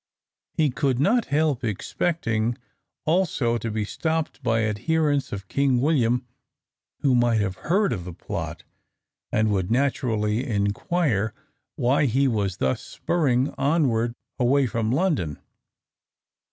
He could not help expecting also to be stopped by adherents of King William who might have heard of the plot and would naturally inquire why he was thus spurring onward away from London.